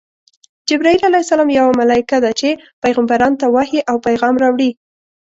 جبراییل ع یوه ملایکه ده چی پیغمبرانو ته وحی او پیغام راوړي.